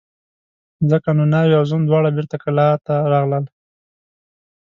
ځکه نو ناوې او زوم دواړه بېرته کلاه ته راغلل.